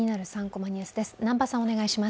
３コマニュース」です。